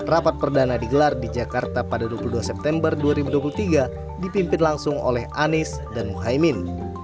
rapat perdana digelar di jakarta pada dua puluh dua september dua ribu dua puluh tiga dipimpin langsung oleh anies dan muhaymin